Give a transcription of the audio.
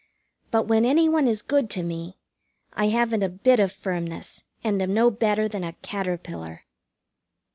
But when any one is good to me, I haven't a bit of firmness, and am no better than a caterpillar.